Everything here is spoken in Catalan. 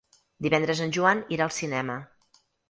Divendres en Joan irà al cinema.